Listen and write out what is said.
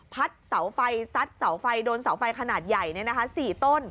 พัดเสาไฟซัดเสาไฟโดนเสาไฟขนาดใหญ่เนี่ยนะคะ๔ต้น